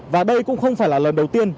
và đây cũng không phải là lần đầu tiên